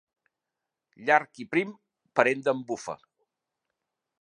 Llarg i prim, parent d'en Bufa.